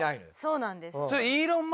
そうなんです。